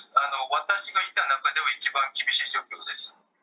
私がいた中では一番厳しい状況です。